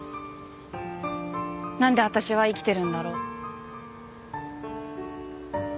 なんで私は生きてるんだろう。